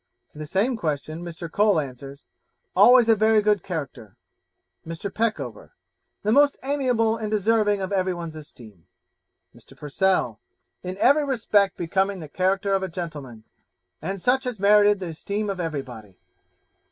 To the same question, Mr. Cole answers, 'Always a very good character.' Mr. Peckover 'The most amiable, and deserving of every one's esteem.' Mr. Purcell 'In every respect becoming the character of a gentleman, and such as merited the esteem of everybody.'